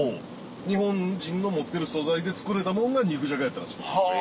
日本人の持ってる素材で作れたもんが肉じゃがやったらしいんです。